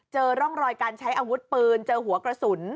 เจอร่องรอยการใช้อาวุธปืนเจอหัวกระสุน